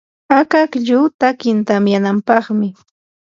akaklluy takin tamyanampaqmi.